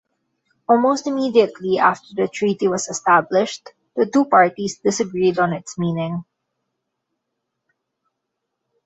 Almost immediately after the treaty was established, the two parties disagreed on its meaning.